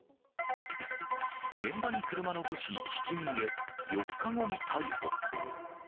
現場に車残しひき逃げ、４日後に逮捕。